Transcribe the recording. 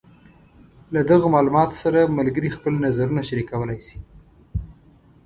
له دغو معلوماتو سره ملګري خپل نظرونه شریکولی شي.